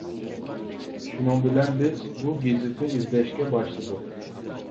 شۇنىڭ بىلەن بىز بۇ گېزىتنى ئىزدەشكە باشلىدۇق.